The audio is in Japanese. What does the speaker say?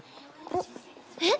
えっ？